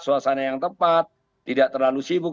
suasana yang tepat tidak terlalu sibuk